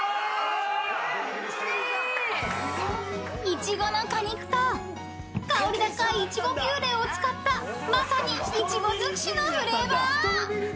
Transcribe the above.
［イチゴの果肉と香り高いイチゴピューレを使ったまさにイチゴ尽くしのフレーバー］